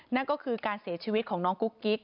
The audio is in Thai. นั่นก็คือการเสียชีวิตของน้องกุ๊กกิ๊ก